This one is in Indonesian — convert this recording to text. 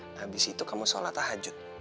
habis itu kamu sholat tahajud